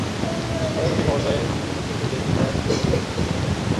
ওরা যদি খবর পায় তুই মুক্তিযুদ্ধে গিয়েছিস, তাহলে পুরো পরিবারকে নিশ্চিহ্ন করে দেবে।